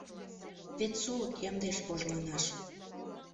Вет сулык — ямдеш вожланаш